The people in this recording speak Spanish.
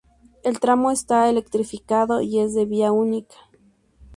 El tramo está electrificado y es de vía única.